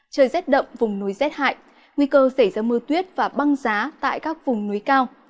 trời rét đậm vùng núi rét hại nguy cơ xảy ra mưa tuyết và băng giá tại các vùng núi cao